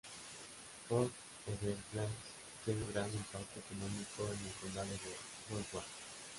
Port Everglades tiene un gran impacto económico en el condado de Broward.